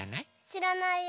しらないよ。